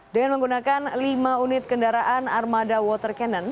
dengan menggunakan lima unit kendaraan armada water cannon